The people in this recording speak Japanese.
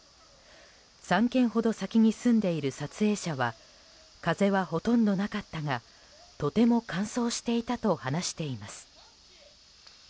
３軒ほど先に住んでいる撮影者は風はほとんどなかったがとても乾燥していたと話しています。